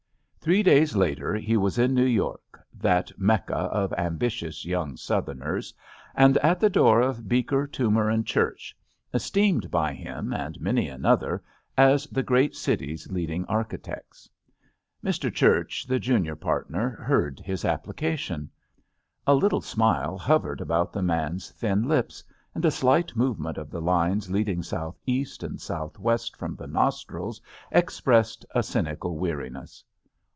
Three days later he was in New York, that Mecca of ambitious young Southerners, and at the door of Becker, Toomer & Church, esteemed by him and many another as the great city's leading architects. Mr. Church, jjj JUST SWEETHEARTS JjJ the junior partner, heard his application. A little smile hovered about the man's thin lips, and a slight movement of the lines leading southeast and southwest from the nostrils ex pressed a cynical weariness.